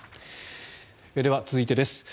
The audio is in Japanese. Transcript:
では、続いてです。